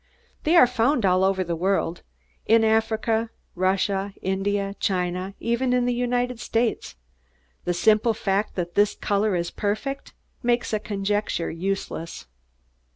They are found all over the world in Africa, Russia, India, China, even in the United States. The simple fact that this color is perfect makes conjecture useless."